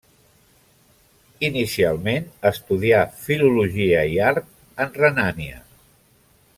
Inicialment, estudià Filologia i Art en Renània.